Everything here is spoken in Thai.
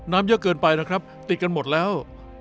เยอะเกินไปนะครับติดกันหมดแล้ว